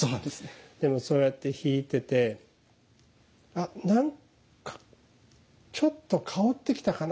そうやってひいててあ何かちょっと香ってきたかな。